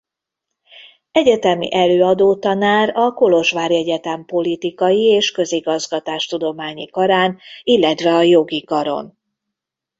Egyetemi előadótanár a kolozsvári egyetem politikai és közigazgatás-tudományi karán illetve a jogi karon.